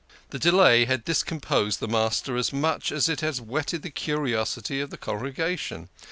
The delay had discomposed the Master as much as it had whetted the curiosity of the congregation.